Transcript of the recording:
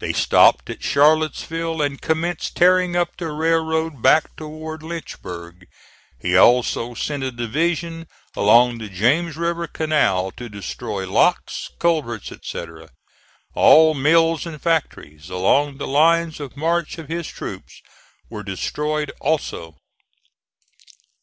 They stopped at Charlottesville and commenced tearing up the railroad back toward Lynchburg. He also sent a division along the James River Canal to destroy locks, culverts etc. All mills and factories along the lines of march of his troops were destroyed also.